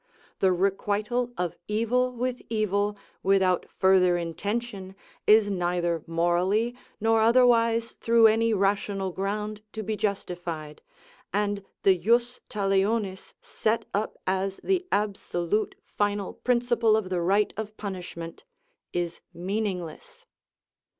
The requital of evil with evil without further intention is neither morally nor otherwise through any rational ground to be justified, and the jus talionis set up as the absolute, final principle of the right of punishment, is meaningless.